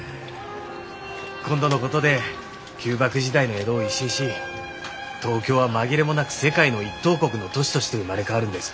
今度のことで旧幕時代の江戸を一新し東京は紛れもなく世界の一等国の都市として生まれ変わるんです。